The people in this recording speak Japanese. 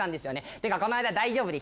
ってかこの間大丈夫でした？